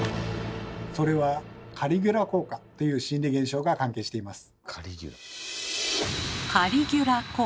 それは「カリギュラ効果」という心理現象が関係しています。